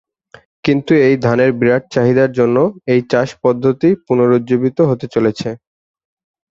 কিন্তু এই ধানের বিরাট চাহিদার জন্য এই চাষ পদ্ধতি পুনরুজ্জীবিত হতে চলেছে।